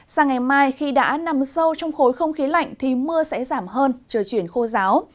sáng ngày mai khi đã nằm sâu trong khối không khí lạnh thì mưa sẽ giảm hơn trời chuyển khô giáo